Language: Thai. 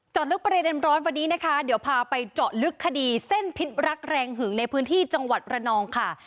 ลึกประเด็นร้อนวันนี้นะคะเดี๋ยวพาไปเจาะลึกคดีเส้นพิษรักแรงหึงในพื้นที่จังหวัดระนองค่ะ